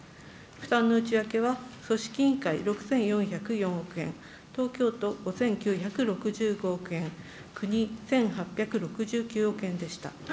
負担の内訳は、組織委員会６４０４億円、東京都５９６５億円、国１８６９億円でした。